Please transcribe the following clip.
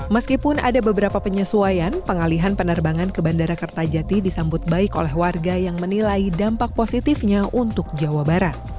meskipun ada beberapa penyesuaian pengalihan penerbangan ke bandara kertajati disambut baik oleh warga yang menilai dampak positifnya untuk jawa barat